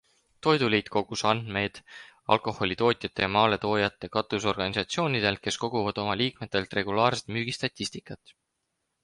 Toiduliit kogus andmed alkoholitootjate- ja maaletoojate katusorganisatsioonidelt, kes koguvad oma liikmetelt regulaarselt müügistatistikat.